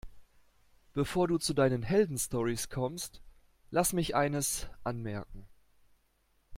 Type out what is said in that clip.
Bevor du zu deinen Heldenstorys kommst, lass mich eines anmerken.